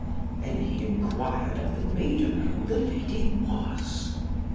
Then he enquired of the maiden who the lady was.